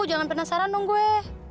jangan penasaran dong gue